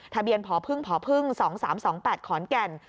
ทะเบียนพอพึ่งพอพึ่ง๒๓๒๘ขอนแก่น